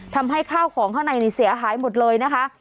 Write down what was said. ทำให้ข้าวของข้างในนี่เสียหายหมดเลยนะคะ